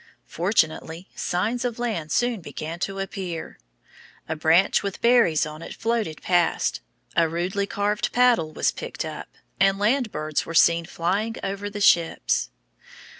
Fortunately, signs of land soon began to appear. A branch with berries on it floated past, a rudely carved paddle was picked up, and land birds were seen flying over the ships.